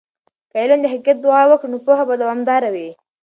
که علم د حقیقت دعا وکړي، پوهه به دوامدار وي.